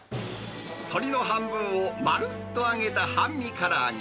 鶏の半分をまるっと揚げた半身からあげ。